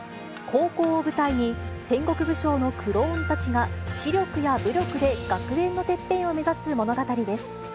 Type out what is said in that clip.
高校を舞台に、戦国武将のクローンたちが、知力や武力で学園のてっぺんを目指す物語です。